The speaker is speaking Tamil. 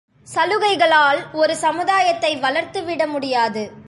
சலுகைகளால் ஒரு சமுதாயத்தை வளர்த்து விட முடியாது.